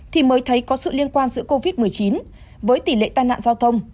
thì mới thấy có sự liên quan giữa covid một mươi chín với tỷ lệ tai nạn giao thông